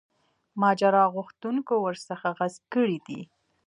ماجرا غوښتونکو ورڅخه غصب کړی دی.